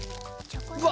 うわ